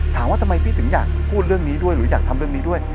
ถามว่าทำไมพี่ถึงอยากพูดเรื่องนี้ด้วยหรืออยากทำเรื่องนี้ด้วย